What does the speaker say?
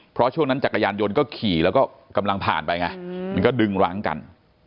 เพราะช่วงนั้นจักรยานยนต์ก็ขี่แล้วก็กำลังผ่านไปไงมันก็ดึงรั้งกัน